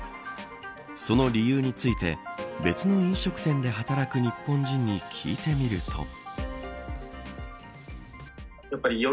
その理由について別の飲食店で働く日本人に聞いてみると。